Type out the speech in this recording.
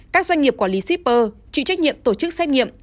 các doanh nghiệp quản lý shipper chịu trách nhiệm tổ chức xét nghiệm